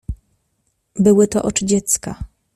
"Były to oczy dziecka."